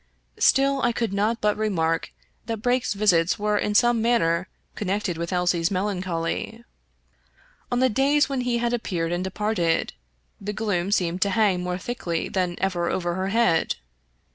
Still I could not but remark that Brake's visits were in some manner connected with Elsie's melancholy. On the days when he had appeared and departed, the gloom seemed to hang more thickly than ever over her head.